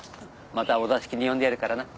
またお座敷に呼んでやるからな。